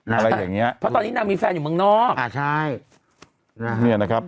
อะไรอย่างเงี้ยเพราะตอนนี้นางมีแฟนอยู่เมืองนอกอ่าใช่นะเนี่ยนะครับ